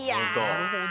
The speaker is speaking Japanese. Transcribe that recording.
なるほど。